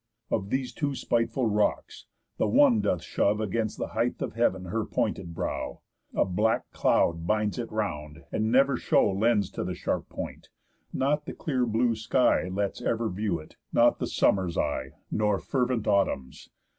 Of these two spiteful rocks, the one doth shove Against the height of heav'n her pointed brow. A black cloud binds it round, and never show Lends to the sharp point; not the clear blue sky Lets ever view it, not the summer's eye, Nor fervent autumn's.